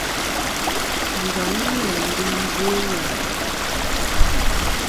Ngam læ ndu i Belo.